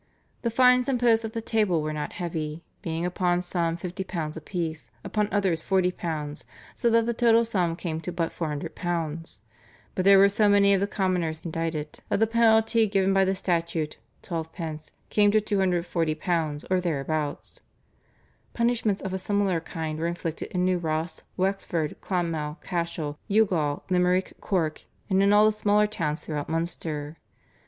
The fines imposed at the table were not heavy, being upon some £50 apiece, upon others £40, so that the total sum came but to £400; but there were so many of the commoners indicted that the penalty given by the statute (twelve pence) came to £240 or thereabouts." Punishments of a similar kind were inflicted in New Ross, Wexford, Clonmel, Cashel, Youghal, Limerick, Cork, and in all the smaller towns throughout Munster.